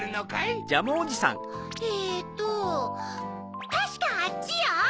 あえっとたしかあっちよ！